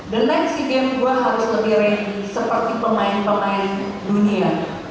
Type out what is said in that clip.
dengan sea games kita harus lebih renggi seperti pemain pemain dunia